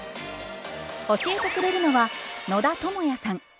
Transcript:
教えてくれるのは野田智也さん。